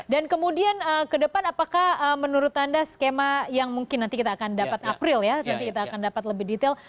dan kemudian ke depan apakah menurut anda skema yang mungkin nanti kita akan dapat april ya nanti kita akan dapat lebih detail